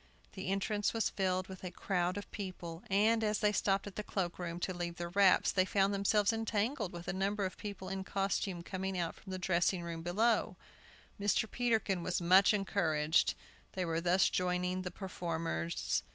The entrance was filled with a crowd of people, and, as they stopped at the cloakroom, to leave their wraps, they found themselves entangled with a number of people in costume coming out from a dressing room below. Mr. Peterkin was much encouraged. They were thus joining the performers.